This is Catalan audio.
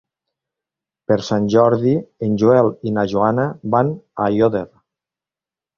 Per Sant Jordi en Joel i na Joana van a Aiòder.